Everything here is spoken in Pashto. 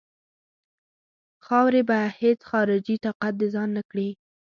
خاوره به هیڅ خارجي طاقت د ځان نه کړي.